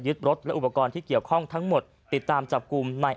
รถและอุปกรณ์ที่เกี่ยวข้องทั้งหมดติดตามจับกลุ่มใน